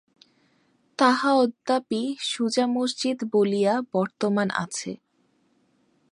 তাহা অদ্যাপি সুজা-মসজিদ বলিয়া বর্তমান আছে।